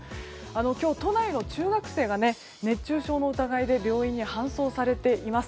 今日、都内の中学生が熱中症の疑いで病院に搬送されています。